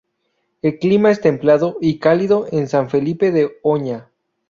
El clima es templado y cálido en San Felipe de Oña.